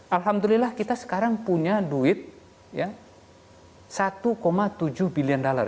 alhamdulillah kita sekarang punya duit satu tujuh bilion dollar